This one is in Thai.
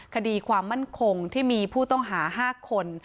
คดีความมั่นคงที่มีผู้ต้องหา๕คน